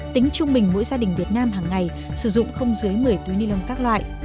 tính trung bình mỗi gia đình việt nam hàng ngày sử dụng không dưới một mươi túi ni lông các loại